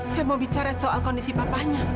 saya mau bicara soal kondisi papanya